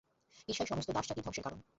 ঈর্ষাই সমস্ত দাসজাতির ধ্বংসের কারণ।